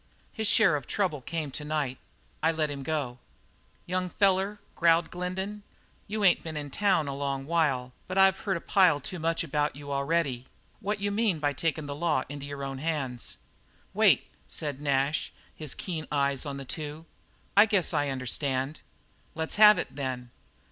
His share of trouble came to night; I let him go." "Young feller," growled Glendin, "you ain't been in town a long while, but I've heard a pile too much about you already. What you mean by takin' the law into your own hands?" "Wait," said Nash, his keen eyes on the two, "I guess I understand." "Let's have it, then."